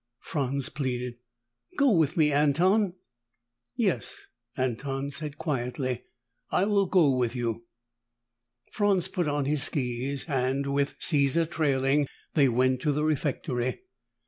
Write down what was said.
Franz pleaded, "Go with me, Anton!" "Yes," Anton said quietly, "I will go with you." Franz put on his skis and, with Caesar trailing, they went to the refectory.